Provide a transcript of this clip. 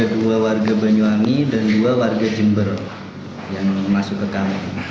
ada dua warga banyuwangi dan dua warga jember yang masuk ke kami